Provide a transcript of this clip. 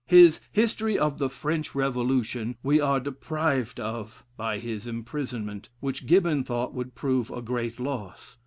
His "History of the French Revolution" we are deprived of by his imprisonment, which Gibbon thought would prove a great loss.